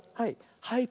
はい。